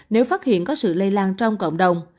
nếu phát hiện có sự lây lan trong cộng đồng